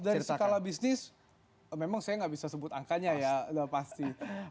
dari skala bisnis memang saya nggak bisa sebut angkanya ya udah pasti